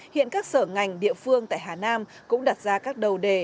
hiện các sở ngành địa phương tại hà nam cũng đặt ra các đầu đề